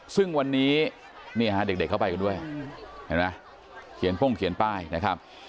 ซึ่งวันนี้เนี่ยฮะเด็กเข้าไปกันด้วยเห็นไหมเขียนพ่งเขียนป้ายนะครับ